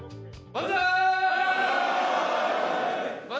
万歳！